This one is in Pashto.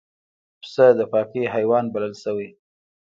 پسه د پاکۍ حیوان بلل شوی.